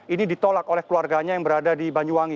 ini ditolak oleh keluarganya yang berada di banyuwangi